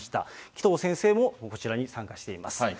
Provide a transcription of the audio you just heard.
紀藤先生もこちらに参加しています。